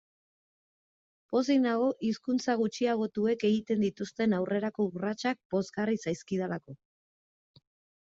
Pozik nago hizkuntza gutxiagotuek egiten dituzten aurrerako urratsak pozgarri zaizkidalako.